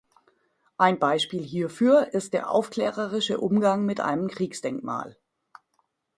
Ein Beispiel hierfür ist der „aufklärerische Umgang mit einem Kriegsdenkmal“.